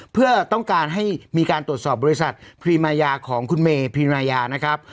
เพื่อต้องการให้มีการตรวจสอบบริษัทพรีมายาของคุณเมพรีมายานะครับ